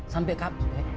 sampai kabur ya